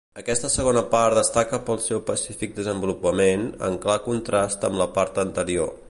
Aquesta segona part destaca pel seu pacífic desenvolupament, en clar contrast amb la part anterior.